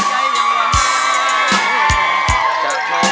หากเธอมีหัวใจยังหวาน